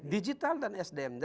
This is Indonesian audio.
digital dan sdm